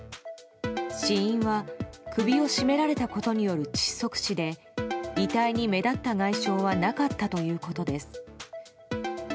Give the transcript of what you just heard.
死因は首を絞められたことによる窒息死で遺体に目立った外傷はなかったということです。